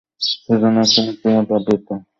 সে যেন একটা মৃত্যুর মধ্যে আবৃত হইয়া বাস করিতেছে।